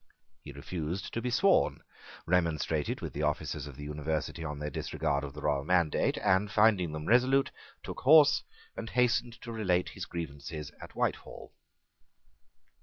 He refused to be sworn, remonstrated with the officers of the University on their disregard of the royal mandate, and, finding them resolute, took horse, and hastened to relate his grievances at Whitehall.